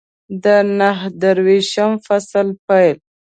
د نهه دېرشم فصل پیل